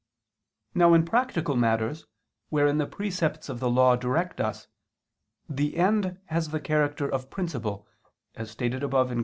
Now in practical matters wherein the precepts of the Law direct us, the end has the character of principle, as stated above (Q.